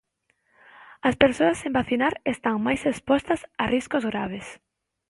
As persoas sen vacinar están máis expostas a riscos graves.